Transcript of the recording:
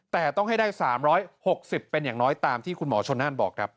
แต่ต้องให้ได้๓๖๐เป็นอย่างน้อยตามที่คุณหมอชนนั่นบอกครับ